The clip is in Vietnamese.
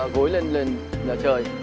gối lên nhà trời